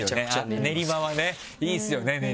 練馬はねいいですよね練馬。